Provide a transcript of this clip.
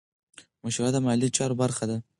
مشوره د مالي چارو برخه ده.